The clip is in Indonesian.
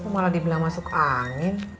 malah dibilang masuk angin